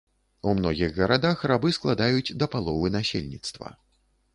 У многіх гарадах рабы складаюць да паловы насельніцтва.